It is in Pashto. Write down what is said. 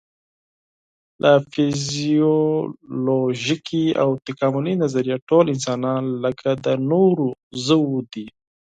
له فزیولوژیکي او تکاملي نظره ټول انسانان لکه د نورو ژوو دي.